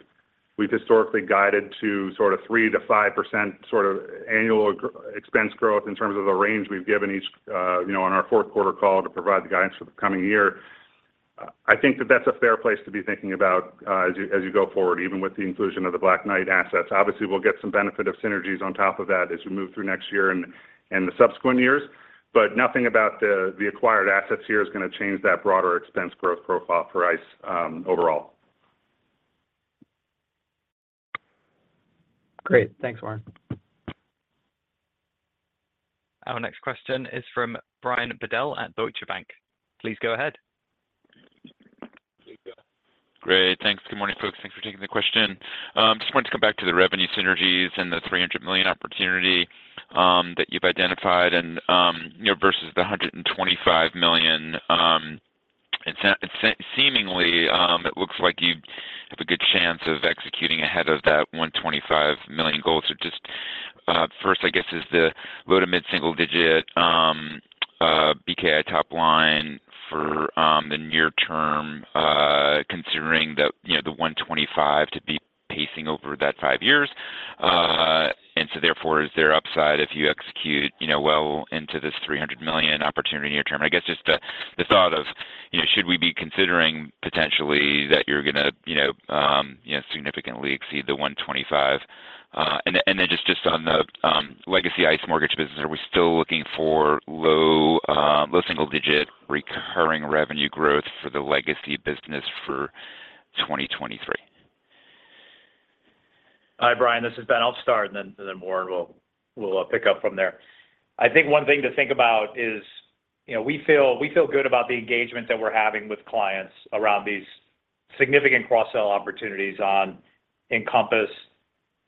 historically guided to sort of 3%-5% sort of annual expense growth in terms of the range we've given each, you know, on our fourth quarter call to provide the guidance for the coming year. I think that that's a fair place to be thinking about, as you go forward, even with the inclusion of the Black Knight assets. Obviously, we'll get some benefit of synergies on top of that as we move through next year and the subsequent years. But nothing about the acquired assets here is going to change that broader expense growth profile for ICE, overall. Great. Thanks, Warren. Our next question is from Brian Bedell at Deutsche Bank. Please go ahead. Please go. Great, thanks. Good morning, folks. Thanks for taking the question. Just wanted to come back to the revenue synergies and the $300 million opportunity that you've identified and, you know, versus the $125 million. It seemingly looks like you have a good chance of executing ahead of that $125 million goal. So just first, I guess, is the low to mid single digit BKI top line for the near term, considering the, you know, the $125 million to be pacing over that 5 years. And so therefore, is there upside if you execute, you know, well into this $300 million opportunity near term? I guess just the thought of, you know, should we be considering potentially that you're going to, you know, significantly exceed the $125. And then just on the legacy ICE mortgage business, are we still looking for low single digit recurring revenue growth for the legacy business for 2023? Hi, Brian, this is Ben. I'll start, and then Warren will pick up from there. I think one thing to think about is, you know, we feel good about the engagement that we're having with clients around these significant cross-sell opportunities on Encompass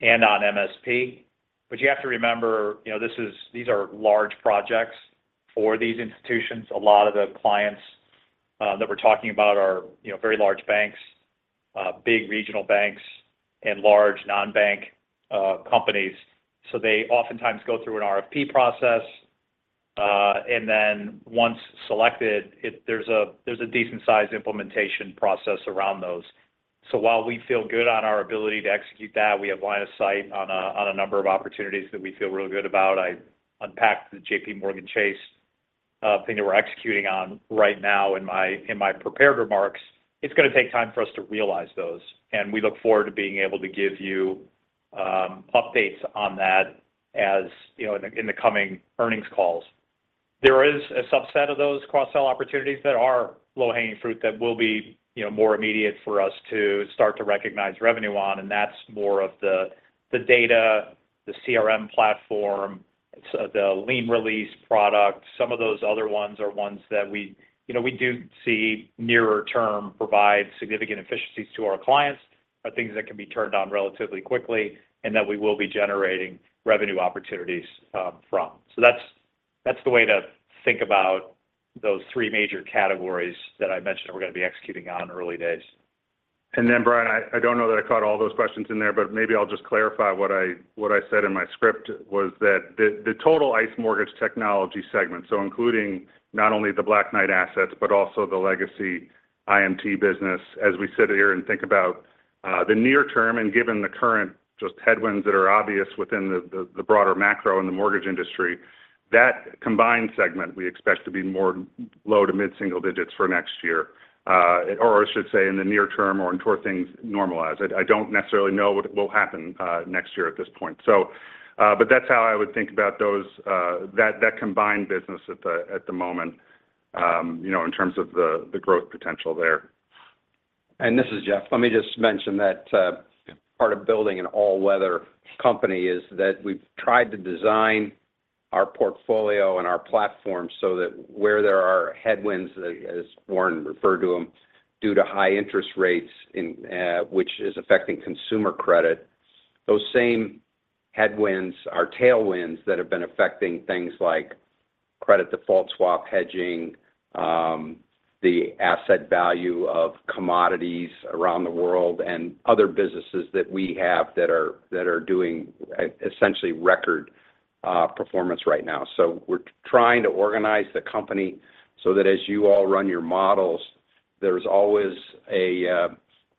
and on MSP. But you have to remember, you know, this is, these are large projects for these institutions. A lot of the clients that we're talking about are, you know, very large banks, big regional banks, and large non-bank companies. So they oftentimes go through an RFP process, and then once selected, it, there's a decent-sized implementation process around those. So while we feel good on our ability to execute that, we have line of sight on a number of opportunities that we feel really good about. I unpacked the JPMorgan Chase thing that we're executing on right now in my prepared remarks. It's going to take time for us to realize those, and we look forward to being able to give you updates on that, as you know, in the coming earnings calls. There is a subset of those cross-sell opportunities that are low-hanging fruit that will be, you know, more immediate for us to start to recognize revenue on, and that's more of the data, the CRM platform, it's the lien release product. Some of those other ones are ones that we, you know, we do see nearer term provide significant efficiencies to our clients, are things that can be turned on relatively quickly, and that we will be generating revenue opportunities from. So that's, that's the way to think about those three major categories that I mentioned that we're going to be executing on in early days. Then, Brian, I don't know that I caught all those questions in there, but maybe I'll just clarify. What I said in my script was that the total ICE Mortgage Technology segment, so including not only the Black Knight assets but also the legacy IMT business, as we sit here and think about the near term, and given the current just headwinds that are obvious within the broader macro in the mortgage industry, that combined segment, we expect to be more low to mid-single digits for next year, or I should say, in the near term or until things normalize. I don't necessarily know what will happen next year at this point. So, but that's how I would think about those, that, that combined business at the moment, you know, in terms of the growth potential there. And this is Jeff. Let me just mention that, part of building an all-weather company is that we've tried to design our portfolio and our platform so that where there are headwinds, as Warren referred to them, due to high interest rates, in, which is affecting consumer credit, those same headwinds are tailwinds that have been affecting things like credit default swap hedging, the asset value of commodities around the world, and other businesses that we have that are, that are doing essentially record, performance right now. So we're trying to organize the company so that as you all run your models, there's always a,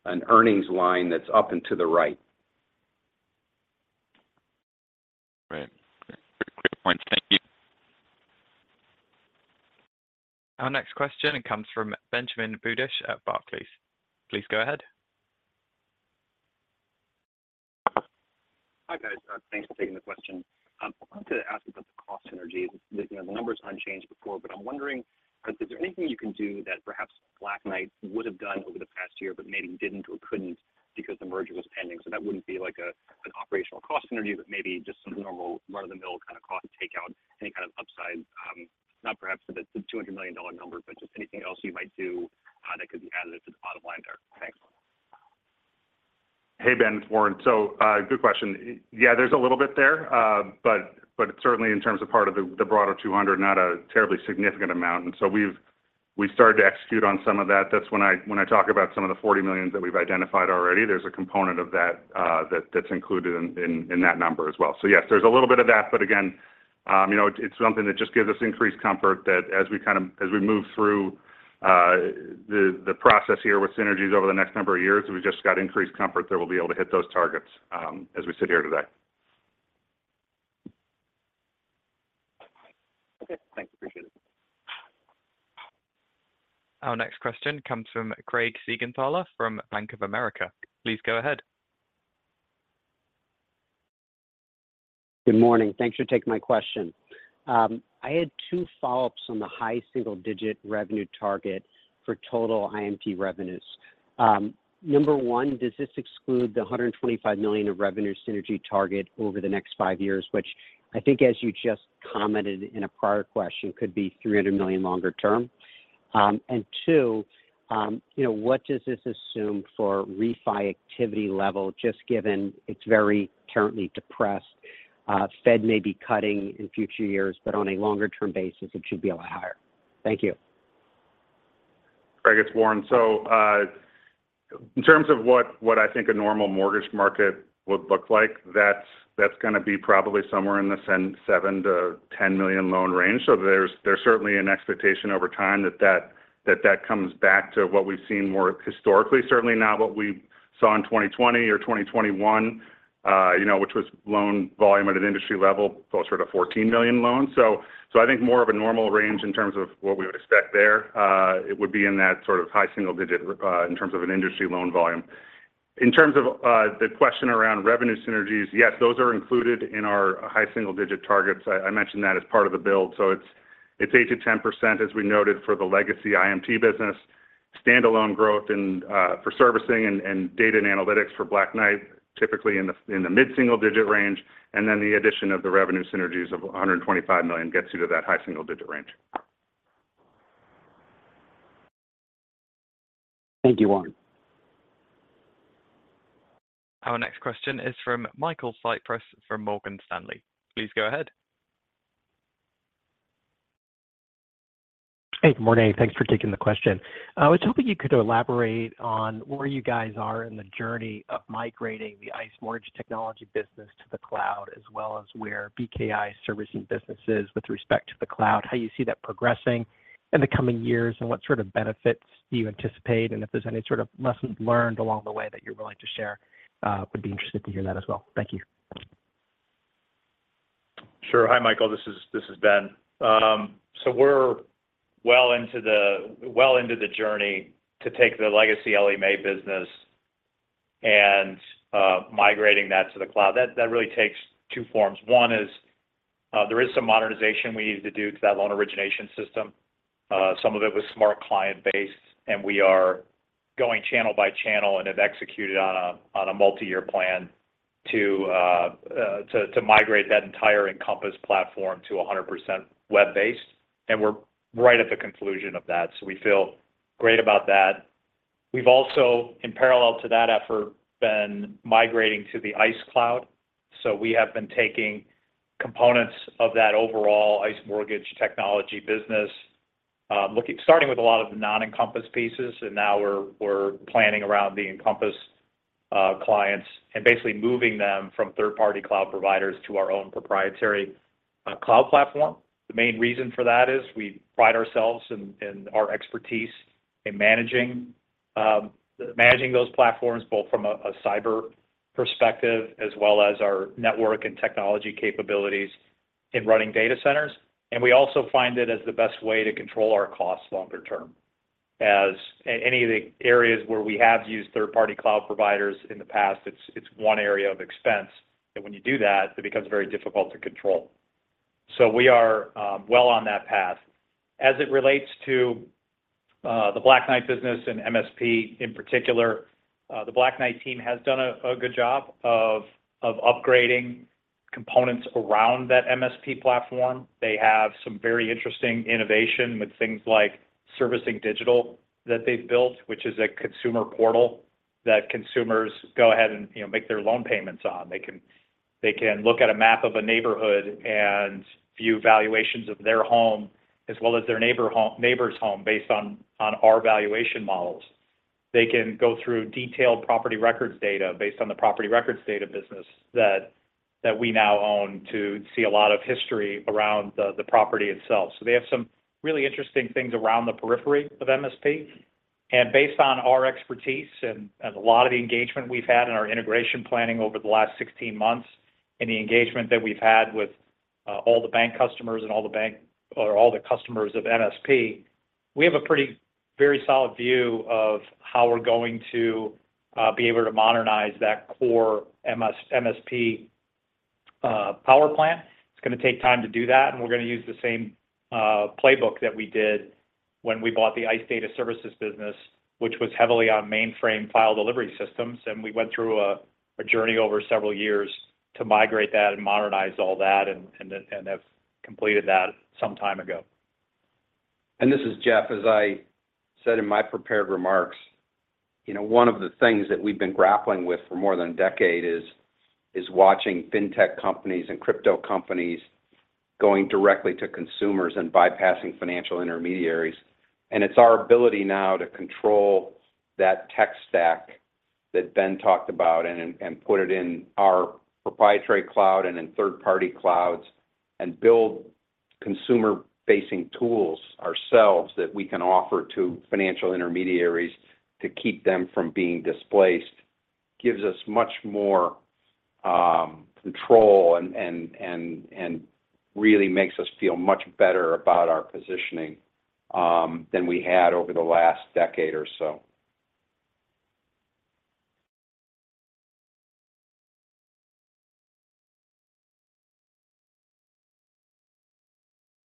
an earnings line that's up and to the right. Right. Great. Pretty clear points. Thank you. Our next question comes from Benjamin Budish at Barclays. Please go ahead. Hi, guys. Thanks for taking the question. I wanted to ask about the cost synergies. The, you know, the numbers unchanged before, but I'm wondering, is there anything you can do that perhaps Black Knight would have done over the past year but maybe didn't or couldn't because the merger was pending? So that wouldn't be like a, an operational cost synergy, but maybe just some normal run of the mill kind of cost takeout, any kind of upside. Not perhaps that it's a $200 million number, but just anything else you might do, that could be added to the bottom line there. Thanks. Hey, Ben, it's Warren. So, good question. Yeah, there's a little bit there. But certainly in terms of part of the broader $200 million, not a terribly significant amount. So we've started to execute on some of that. That's when I talk about some of the $40 million that we've identified already, there's a component of that that's included in that number as well. So yes, there's a little bit of that. But again, you know, it's something that just gives us increased comfort that as we kind of move through the process here with synergies over the next number of years, we've just got increased comfort that we'll be able to hit those targets as we sit here today. Okay, thanks. Appreciate it. Our next question comes from Craig Siegenthaler from Bank of America. Please go ahead. Good morning. Thanks for taking my question. I had two follow-ups on the high single-digit revenue target for total IMT revenues. Number one, does this exclude the $125 million of revenue synergy target over the next 5 years, which I think, as you just commented in a prior question, could be $300 million longer term? And two, you know, what does this assume for refi activity level, just given it's very currently depressed? Fed may be cutting in future years, but on a longer-term basis, it should be a lot higher. Thank you. Craig, it's Warren. In terms of what I think a normal mortgage market would look like, that's going to be probably somewhere in the 7-10 million loan range. There's certainly an expectation over time that that comes back to what we've seen more historically. Certainly not what we saw in 2020 or 2021, you know, which was loan volume at an industry level, closer to 14 million loans. I think more of a normal range in terms of what we would expect there, it would be in that sort of high single digit in terms of an industry loan volume. In terms of the question around revenue synergies, yes, those are included in our high single-digit targets. I mentioned that as part of the build. It's 8%-10%, as we noted, for the legacy IMT business. Standalone growth and for servicing and data and analytics for Black Knight, typically in the mid-single-digit range. Then the addition of the revenue synergies of $125 million gets you to that high single-digit range. Thank you, Warren. Our next question is from Michael Cyprys from Morgan Stanley. Please go ahead. Hey, good morning. Thanks for taking the question. I was hoping you could elaborate on where you guys are in the journey of migrating the ICE Mortgage Technology business to the cloud, as well as where Black Knight servicing business is with respect to the cloud. How you see that progressing in the coming years, and what sort of benefits do you anticipate? And if there's any sort of lessons learned along the way that you're willing to share, would be interested to hear that as well. Thank you. Sure. Hi, Michael, this is Ben. So we're well into the journey to take the legacy Ellie Mae business. And migrating that to the cloud. That really takes two forms. One is, there is some modernization we need to do to that loan origination system. Some of it was smart client-based, and we are going channel by channel and have executed on a multi-year plan to migrate that entire Encompass platform to 100% web-based. And we're right at the conclusion of that, so we feel great about that. We've also, in parallel to that effort, been migrating to the ICE cloud. So we have been taking components of that overall ICE Mortgage Technology business, starting with a lot of non-Encompass pieces, and now we're planning around the Encompass clients, and basically moving them from third-party cloud providers to our own proprietary cloud platform. The main reason for that is we pride ourselves in our expertise in managing, managing those platforms, both from a cyber perspective, as well as our network and technology capabilities in running data centers. We also find it as the best way to control our costs longer term. In any of the areas where we have used third-party cloud providers in the past, it's one area of expense, and when you do that, it becomes very difficult to control. We are well on that path. As it relates to the Black Knight business and MSP in particular, the Black Knight team has done a good job of upgrading components around that MSP platform. They have some very interesting innovation with things like Servicing Digital that they've built, which is a consumer portal that consumers go ahead and, you know, make their loan payments on. They can, they can look at a map of a neighborhood and view valuations of their home, as well as their neighbor's home, based on, on our valuation models. They can go through detailed property records data based on the property records data business that, that we now own to see a lot of history around the, the property itself. So they have some really interesting things around the periphery of MSP. Based on our expertise and a lot of the engagement we've had in our integration planning over the last 16 months, and the engagement that we've had with all the bank customers and all the bank or all the customers of MSP, we have a pretty, very solid view of how we're going to be able to modernize that core MSP power plant. It's going to take time to do that, and we're going to use the same playbook that we did when we bought the ICE Data Services business, which was heavily on mainframe file delivery systems. We went through a journey over several years to migrate that and modernize all that, and have completed that some time ago. This is Jeff. As I said in my prepared remarks, you know, one of the things that we've been grappling with for more than a decade is watching fintech companies and crypto companies going directly to consumers and bypassing financial intermediaries. It's our ability now to control that tech stack that Ben talked about and put it in our proprietary cloud and in third-party clouds, and build consumer-facing tools ourselves that we can offer to financial intermediaries to keep them from being displaced, gives us much more control and really makes us feel much better about our positioning than we had over the last decade or so.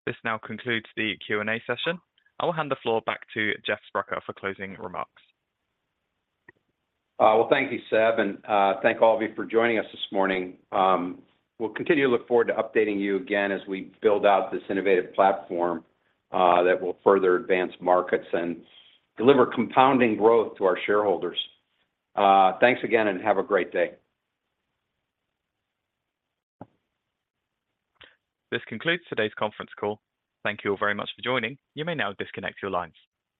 This now concludes the Q&A session. I will hand the floor back to Jeff Sprecher for closing remarks. Well, thank you, Seb, and thank all of you for joining us this morning. We'll continue to look forward to updating you again as we build out this innovative platform that will further advance markets and deliver compounding growth to our shareholders. Thanks again, and have a great day. This concludes today's conference call. Thank you all very much for joining. You may now disconnect your lines.